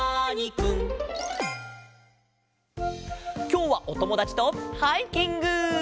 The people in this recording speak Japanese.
きょうはおともだちとハイキング！